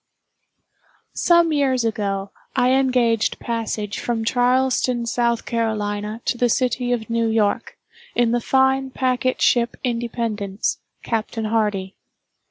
Some years ago, I engaged passage from Charleston, S. C., to the city of New York, in the fine packet ship "Independence," Captain Hardy.